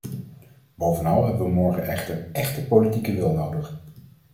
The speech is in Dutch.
Bovenal hebben we morgen echter echte politieke wil nodig.